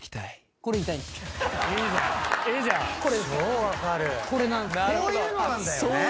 こういうのなんだよね。